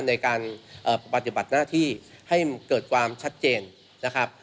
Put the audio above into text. ในการปฏิบัติหน้าที่ให้เกิดความชัดเจนนะครับ